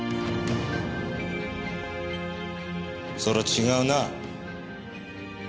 それは違うな。